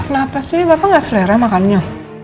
kenapa sih bapak nggak selera makannya